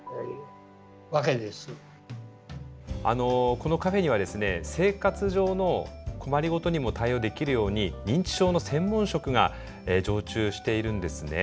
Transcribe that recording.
このカフェにはですね生活上の困り事にも対応できるように認知症の専門職が常駐しているんですね。